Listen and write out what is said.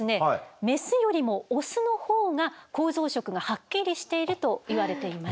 メスよりもオスのほうが構造色がはっきりしているといわれています。